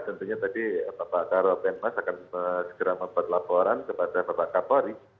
tentunya tadi bapak karo penmas akan segera membuat laporan kepada bapak kapolri